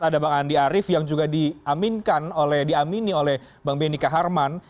ada bang andi arief yang juga diaminkan oleh diamini oleh bang benny kaharman